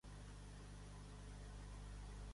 Recordo que els primers halters venien d'Alemanya.